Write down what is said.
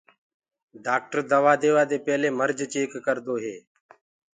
ڊآڪٽر دوآ ديوآ دي پيلي ميرج چيڪ ڪردو هي۔